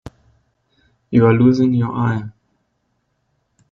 You're losing your eye.